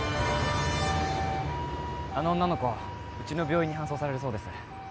あの女の子うちの病院に搬送されるそうです